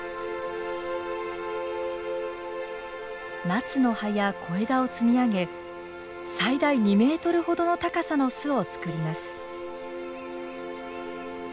マツの葉や小枝を積み上げ最大２メートルほどの高さの巣を作ります。